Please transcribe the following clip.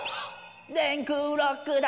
「電空ロックだ」